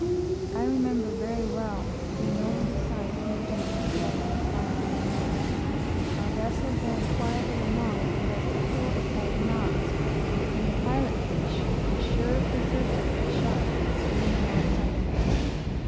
I remember very well being over the side painting in this way, one fine afternoon, our vessel going quietly along at the rate of four or five knots, and a pilot fish, the sure precursor of the shark, swimming alongside of us.